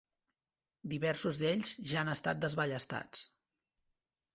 Diversos d'ells ja han estat desballestats.